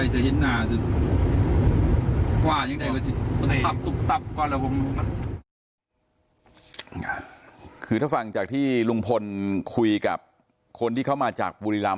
อเจมส์คือถ้าฟังจากที่ลุงพลคุยกับคนที่เขามาจากบุริรัมน์